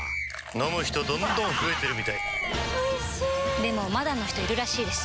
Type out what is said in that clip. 飲む人どんどん増えてるみたいおいしでもまだの人いるらしいですよ